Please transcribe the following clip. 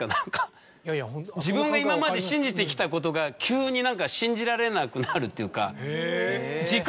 自分が今まで信じてきたことが急に何か信じられなくなるというか。